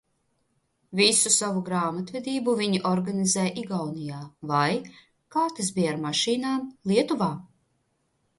Visu savu grāmatvedību viņi organizē Igaunijā vai, kā tas bija ar mašīnām, Lietuvā.